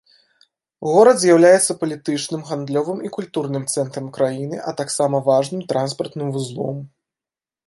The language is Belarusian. Горад з'яўляецца палітычным, гандлёвым і культурным цэнтрам краіны, а таксама важным транспартным вузлом.